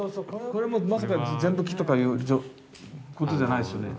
これもまさか全部木とかいうことじゃないですよね。